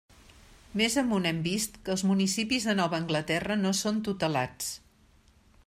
Més amunt hem vist que els municipis de Nova Anglaterra no són tutelats.